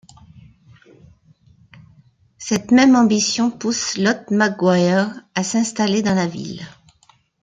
Cette même ambition pousse Lot McGuire à s'installer dans la ville.